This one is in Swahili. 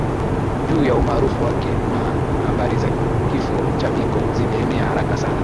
Juu ya umaarufu wake na habari za kifo cha Biko zilienea haraka sana